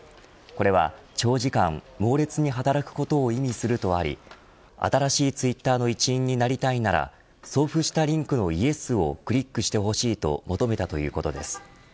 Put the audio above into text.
これは長時間猛烈に働くことを意味するとあり新しいツイッターの一員になりたいなら送付したリンクのイエスをクリックしてほしいと求めたということです。